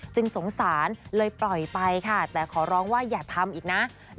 สงสารเลยปล่อยไปค่ะแต่ขอร้องว่าอย่าทำอีกนะ